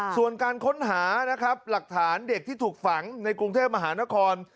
ส่วนการค้นหานะครับหลักฐานเด็กที่ถูกฝังในกรุงเทพมหานคร